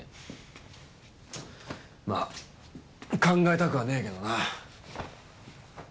まあ考えたくはねえけどな。